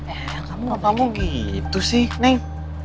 el kamu gak mau gitu sih neng